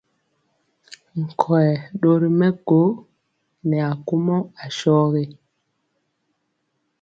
Nkɔyɛ ɗori mɛko nɛ akumɔ asɔgi.